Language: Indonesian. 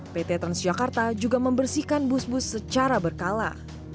pt transjakarta juga membersihkan bus bus secara berkala